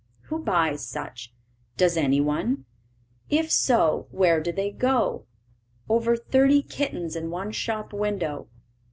Who buys such? Does any one? If so, where do they go? Over thirty kittens in one shop window.